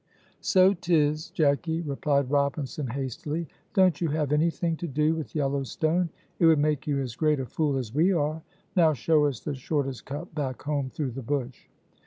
"So 'tis, Jacky," replied Robinson, hastily; "don't you have anything to do with yellow stone, it would make you as great a fool as we are. Now show us the shortest cut back home through the bush."